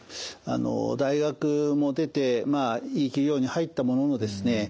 大学も出ていい企業に入ったもののですね